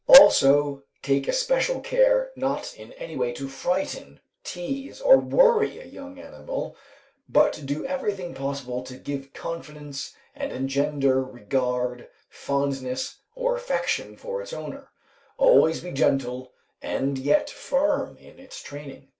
Also take especial care not in any way to frighten, tease, or worry a young animal, but do everything possible to give confidence and engender regard, fondness, or affection for its owner; always be gentle and yet firm in its training.